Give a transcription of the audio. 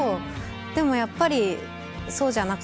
でもやっぱりそうじゃなかった。